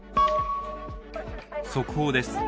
速報です。